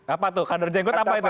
apa itu kader jenggot apa itu pak